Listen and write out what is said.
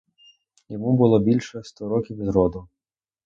Йому було більше сто років з роду.